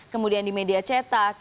kemudian di media cetak